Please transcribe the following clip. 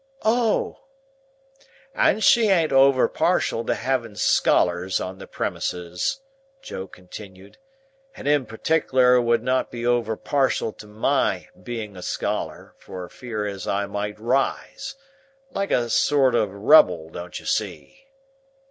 "Oh!" "And she an't over partial to having scholars on the premises," Joe continued, "and in partickler would not be over partial to my being a scholar, for fear as I might rise. Like a sort of rebel, don't you see?"